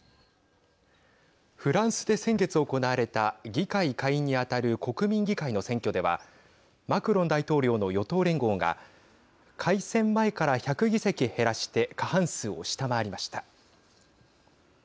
フランスで先月行われた議会下院に当たる国民議会の選挙ではマクロン大統領の与党連合が改選前から１００議席減らして過半数を下回りました。